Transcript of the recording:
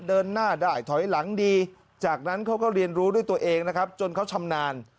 เดินหน้าได้ถอยหลังดีจากนั้นเขาก็เรียนรู้ด้วยตัวเองนะครับจนเขาชำนาญ